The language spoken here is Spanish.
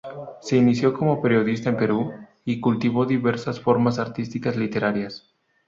Se inició como periodista en Perú y cultivó diversas formas artísticas literarias.